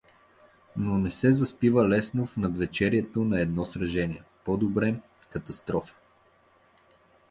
Но не се заспива лесно в надвечерието на едно сражение, по-добре — катастрофа.